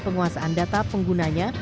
penguasaan data penggunanya